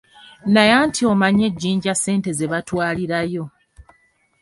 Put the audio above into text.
Naye anti omanyi e jjinja ssente ze batutwalirayo.